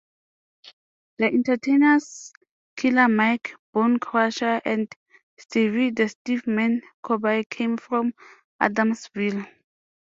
The entertainers Killer Mike, Bone Crusher, and Stevie-the-Steve-Man Corby came from Adamsville.